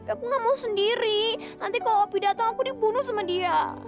aku nggak mau sendiri nanti kalau opi datang aku dibunuh sama dia